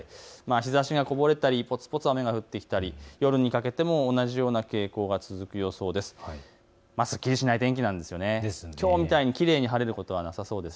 日ざしがこぼれたり、ぽつぽつ雨が降ったり夜にかけても同じような傾向が続きそうです。